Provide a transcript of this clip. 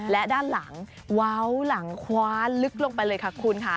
และด้านหลังเว้าหลังคว้าลึกลงไปเลยค่ะคุณค่ะ